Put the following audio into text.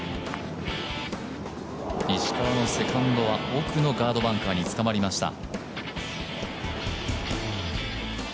石川のセカンドは奥のガードバンカーにつかまりました。